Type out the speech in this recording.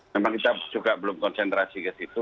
memang kita juga belum konsentrasi ke situ